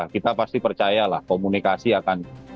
kita pasti percaya komunikasi akan berjalan